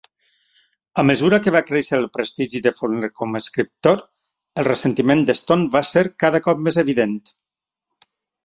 A mesura que va créixer el prestigi de Faulkner com a escriptor, el ressentiment de Stone va ser cada cop més evident.